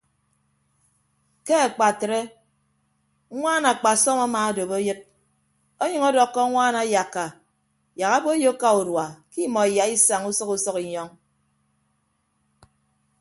Ke akpatre ñwaan akpasọm amaadop eyịd ọnyʌñ ọdọkkọ ñwaan ayakka yak aboiyo aka urua ke imọ iyaisaña usʌk usʌk inyọñ.